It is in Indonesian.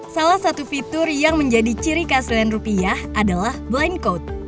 salah satu fitur yang menjadi ciri keaslian rupiah adalah blind code